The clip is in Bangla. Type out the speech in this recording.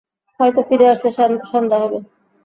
হয়তো ফিরে আসতে সন্ধ্যা হবে।